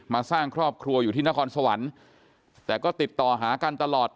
สร้างครอบครัวอยู่ที่นครสวรรค์แต่ก็ติดต่อหากันตลอด